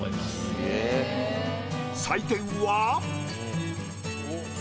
採点は。